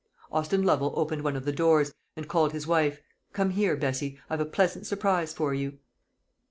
Austin Lovel opened one of the doors, and called his wife "Come here, Bessie; I've a pleasant surprise for you."